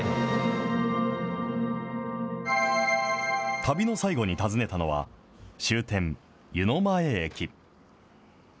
旅の最後に訪ねたのは、終点、湯前駅。